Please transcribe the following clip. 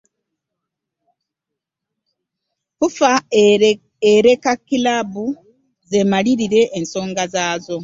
FUFA ereka kilaabu zemalire ensonga zaazo.